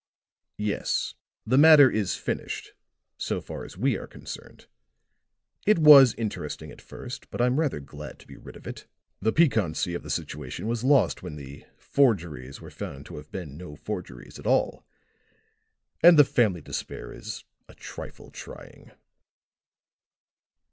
"Yes, the matter is finished, so far as we are concerned. It was interesting at first, but I'm rather glad to be rid of it. The piquancy of the situation was lost when the 'forgeries' were found to have been no forgeries at all; and the family despair is a trifle trying."